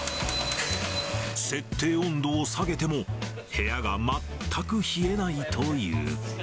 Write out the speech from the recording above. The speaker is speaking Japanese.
設定温度を下げても、部屋が全く冷えないという。